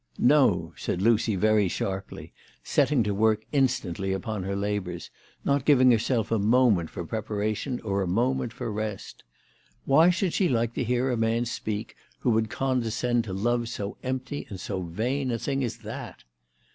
"No," said Lucy very sharply, setting to work instantly upon her labours, not giving herself a moment for preparation or a moment for rest. Why should she like to hear a man speak who could conde scend to love so empty and so vain a thing as that